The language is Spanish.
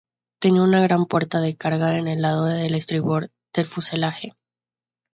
Tenía una gran puerta de carga en el lado de estribor del fuselaje.